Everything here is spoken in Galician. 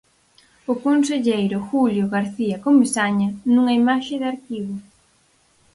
O conselleiro Julio García Comesaña nunha imaxe de arquivo.